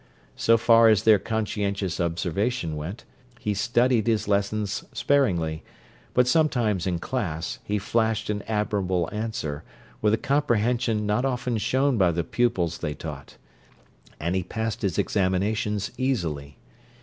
So far as their conscientious observation went, he "studied" his lessons sparingly; but sometimes, in class, he flashed an admirable answer, with a comprehension not often shown by the pupils they taught; and he passed his examinations easily.